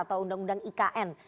atau undang undang ikn